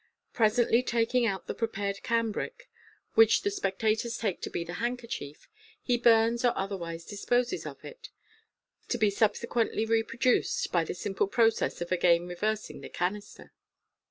Presently taking out the prepared cambric, which the spectators take to be the hanH kerchief, he burns or otherwise disposes of it, to be subsequently reproduced by the simple process of again reversing the canister.